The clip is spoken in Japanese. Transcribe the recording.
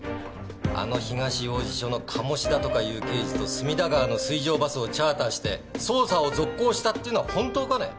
あの東王子署の鴨志田とかいう刑事と隅田川の水上バスをチャーターして捜査を続行したっていうのは本当かね？